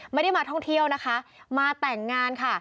ไม่ได้มาท่องเที่ยวนะคะมาแต่งงานค่ะ